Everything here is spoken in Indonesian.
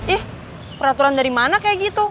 ih peraturan dari mana kayak gitu